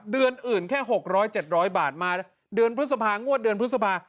เดือนอื่นแค่๖๐๐๗๐๐บาทมาเดือนพฤษภางวดเดือนพฤษภา